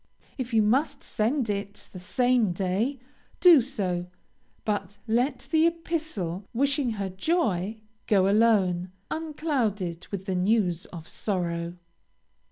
If you must send it the same day, do so, but let the epistle wishing her joy, go alone, unclouded with the news of sorrow.